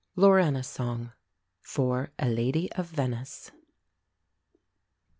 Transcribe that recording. LAURANA'S SONG. FOR "A LADY OF VENICE."